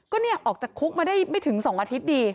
ก็เนี่ยออกจากคุกมาได้ไม่ถึง๒อาทิตย์ดี